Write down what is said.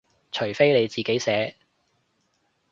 除非你自己寫